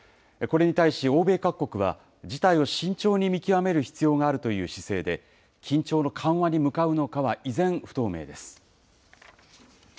これに対し、欧米各国は、事態を慎重に見極める必要があるという姿勢で、緊張の緩和に向かうのかは、依然、不透明です。